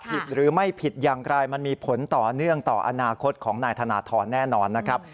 ผิดหรือไม่ผิดอย่างไรมันมีผลต่อเนื่องต่ออนาคตของนายธนทรแน่นอนนะครับ